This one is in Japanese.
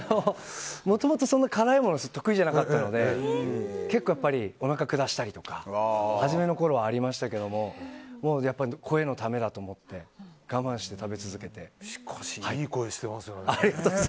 もともとそんなに辛いもの得意じゃなかったので結構やっぱりおなかを下したりとかはじめのころはありましたけどもう声のためだと思ってしかし、いい声してますよね。